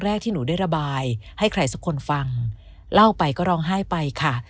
แรกที่หนูได้ระบายให้ใครสักคนฟังเล่าไปก็ร้องไห้ไปค่ะ